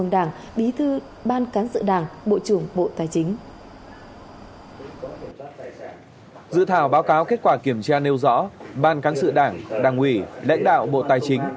dự thảo báo cáo kết quả kiểm tra nêu rõ ban cán sự đảng đảng ủy lãnh đạo bộ tài chính